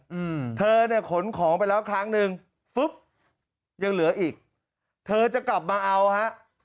อืมเธอเนี่ยขนของไปแล้วครั้งหนึ่งฟึ๊บยังเหลืออีกเธอจะกลับมาเอาฮะ